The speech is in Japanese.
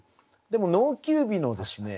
でも「農休日」のですね